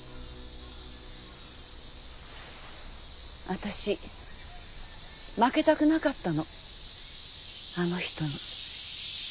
私負けたくなかったのあの人に。